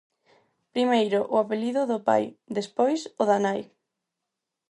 Primeiro o apelido do pai, despois o da nai.